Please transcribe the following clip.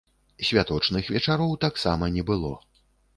Святочных вечароў таксама не было.